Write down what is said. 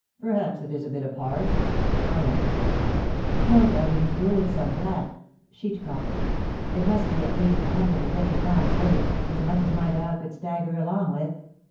Perhaps it is a bit of hard (iron)?" "No, Daddy Micou, it's some flap (sheet copper). There must be, at least, a hundred and fifty pounds weight, as much as my dog could stagger along with."